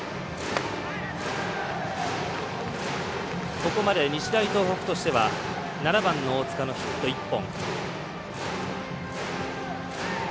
ここまで日大東北としては７番の大塚のヒット１本。